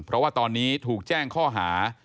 เพราะว่าตอนนี้ถูกแจ้งข้อหา